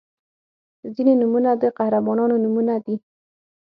• ځینې نومونه د قهرمانانو نومونه دي.